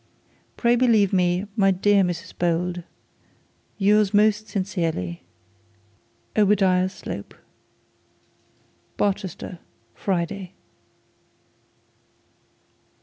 'Pray believe me, my dear Mrs Bold Yours most sincerely, 'OBADIAH SLOPE. 'Barchester, Friday.'